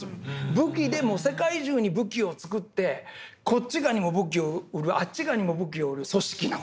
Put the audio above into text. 武器で世界中に武器を造ってこっち側にも武器を売るあっち側にも武器を売る組織なわけです。